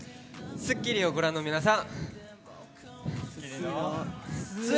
『スッキリ』をご覧の皆さん。